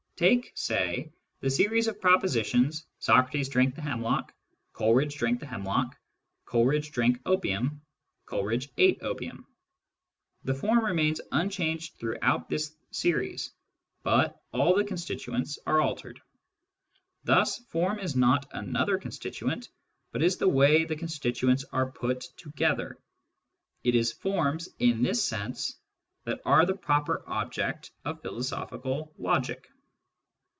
Take (say) the series of propositions, " Socrates drank the hemlock," "Coleridge drank the hemlock," " Coleridge drank opium," " Coleridge ate opium." The form remains unchanged throughout this series, but all the constituents are altered. Thus form is not another \ constituent.^ but is the way the constituents are put together, [it is forms, in this sense, that are the proper ! object of philosophical logic.